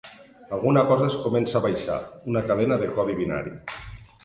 Alguna cosa es comença a baixar: una cadena de codi binari.